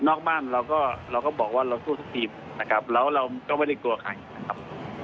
นอกบ้านเราก็เราก็บอกว่าเราสู้ทุกทีมนะครับแล้วเราก็ไม่ได้กลัวใครนะครับ